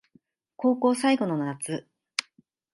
高校最後の夏